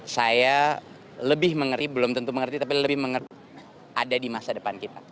saya lebih mengerti belum tentu mengerti tapi lebih mengerti ada di masa depan kita